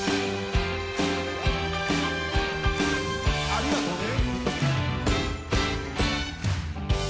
ありがとね！